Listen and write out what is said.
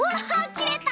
きれた！